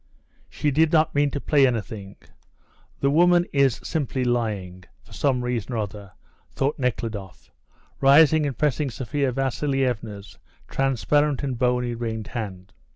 "She did not mean to play anything; the woman is simply lying, for some reason or other," thought Nekhludoff, rising and pressing Sophia Vasilievna's transparent and bony, ringed hand.